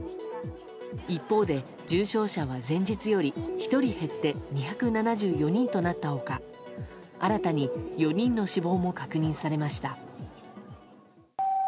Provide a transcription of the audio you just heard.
一方で重症者は前日より１人減って２７４人となった他新たに４人の死亡も確認されました。